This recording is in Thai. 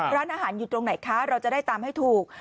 ร้านอาหารอยู่ตรงไหนคะเราจะได้ตามให้ถูก